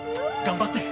頑張って！